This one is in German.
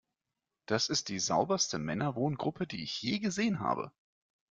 Das ist die sauberste Männer-Wohngruppe, die ich je gesehen habe!